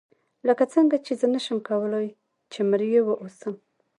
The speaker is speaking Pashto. لکه څنګه چې زه نشم کولای چې مریی واوسم.